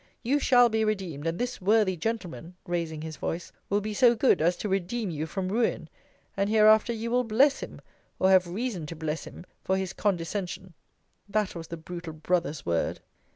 You shall be redeemed, and this worthy gentleman, raising his voice, will be so good as to redeem you from ruin and hereafter you will bless him, or have reason to bless him, for his condescension; that was the brutal brother's word!